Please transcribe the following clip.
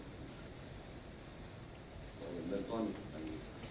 ก็จะเดินต้อนกัน